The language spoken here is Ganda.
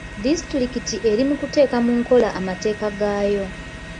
Disitulikiti eri mu kuteeka mu nkola amateeka gaayo.